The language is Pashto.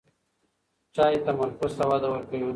چای تمرکز ته وده ورکوي.